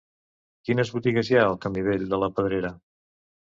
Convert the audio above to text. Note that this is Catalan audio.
Quines botigues hi ha al camí Vell de la Pedrera?